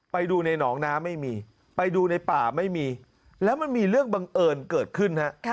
ไปดูในหนองน้ำไม่มีไปดูในป่าไม่มีแล้วมันมีเรื่องบังเอิญเกิดขึ้นฮะ